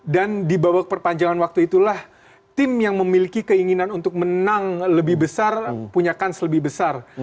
dan di babak perpanjangan waktu itulah tim yang memiliki keinginan untuk menang lebih besar punya kans lebih besar